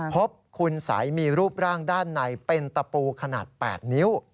พบคุณสัยมีรูปร่างด้านในเป็นตะปูขนาด๘นิ้ว